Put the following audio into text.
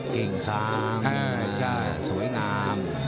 กิ่งซางสวยงาม